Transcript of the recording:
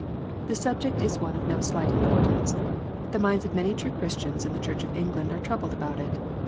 The subject is one of no slight importance. The minds of many true Christians in the Church of England are troubled about it.